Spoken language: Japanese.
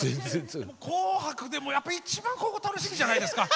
「紅白」でもやっぱ一番ここが楽しみじゃないですか。